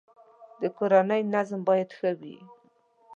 د کورنی نظم باید ښه وی